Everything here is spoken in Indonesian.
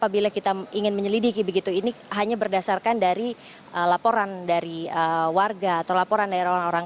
bila kita ingin menyelidiki begitu ini hanya berdasarkan dari laporan dari warga atau laporan dari orang orang